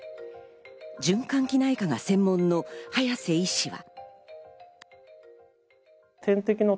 循環器内科が専門の早瀬医師は。